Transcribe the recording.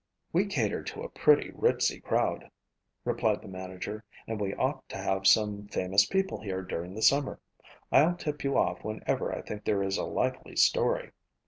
"We cater to a pretty ritzy crowd," replied the manager, "and we ought to have some famous people here during the summer. I'll tip you off whenever I think there is a likely story."